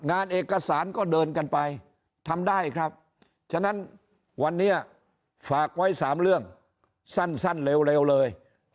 งานเอกสารก็เดินกันไปทำได้ครับฉะนั้นวันนี้ฝากไว้๓เรื่องสั้นเร็วเลย